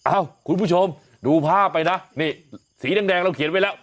คุณผู้ชมดูภาพไปนะนี่สีแดงเราเขียนไว้แล้ว